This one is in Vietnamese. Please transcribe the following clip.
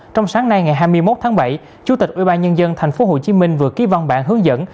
trong sáng nay ngày hai mươi một tháng bảy chủ tịch ubnd tp hcm vừa ký văn bản hướng dẫn